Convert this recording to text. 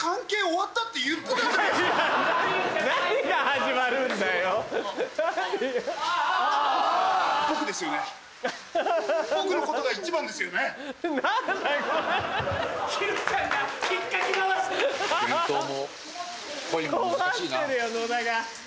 困ってるよ野田が。